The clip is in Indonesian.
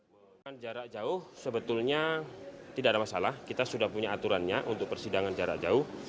melakukan jarak jauh sebetulnya tidak ada masalah kita sudah punya aturannya untuk persidangan jarak jauh